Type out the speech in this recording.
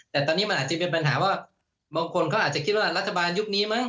แต่ตอนนี้มันอาจจะเป็นปัญหาว่าบางคนเขาอาจจะคิดว่ารัฐบาลยุคนี้มั้ง